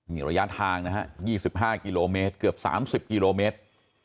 มีระยะทางนะฮะ๒๕กิโลเมตรเกือบ๓๐กิโลเมตร